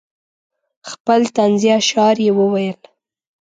خپل طنزیه اشعار یې وویل.